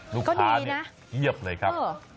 ลูกค้านี่เพียบเลยครับ